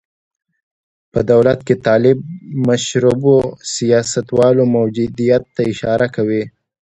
په دولت کې د طالب مشربو سیاستوالو موجودیت ته اشاره کوي.